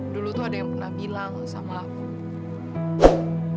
dulu tuh ada yang pernah bilang sama aku